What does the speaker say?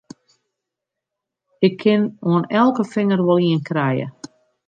Ik kin oan elke finger wol ien krije!